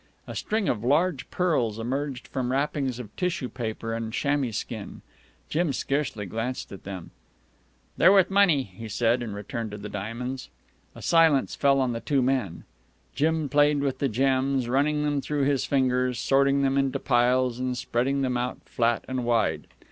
A string of large pearls emerged from wrappings of tissue paper and chamois skin. Jim scarcely glanced at them. "They're worth money," he said, and returned to the diamonds. A silence fell on the two men. Jim played with the gems, running them through his fingers, sorting them into piles, and spreading them out flat and wide.